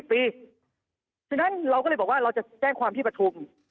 เพราะฉะนั้นเราก็เลยบอกว่าเราจะแจ้งความที่ปฐุม